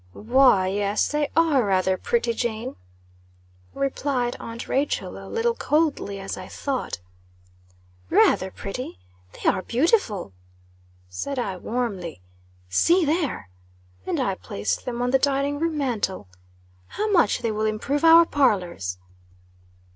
"Why yes, they are rather pretty, Jane," replied aunt Rachel, a little coldly, as I thought. "Rather pretty! They are beautiful," said I warmly. "See there!" And I placed them on the dining room mantle. "How much they will improve our parlors."